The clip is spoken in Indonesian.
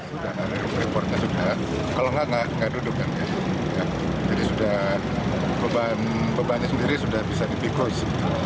sudah ada repornya sudah kalau nggak nggak duduk kan ya jadi sudah beban bebannya sendiri sudah bisa dipikus